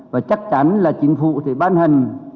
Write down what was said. và chắc chắn là chính phủ sẽ bán hành